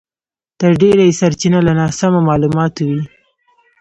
تر ډېره یې سرچينه له ناسمو مالوماتو وي.